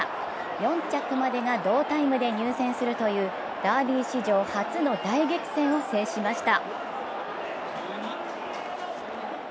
４着までが同タイムで入線するというダービー史上初の大激戦を制しました。